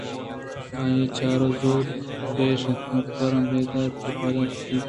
آئیءَ چادر زُوت کّش اِت ءُکمکارانءَ بیہار دات کہ پاد بیااَنت ءُوتی پُچاں پر بہ کن اَنت ءُہرکس وتی وتی کاراں بندات بہ کنت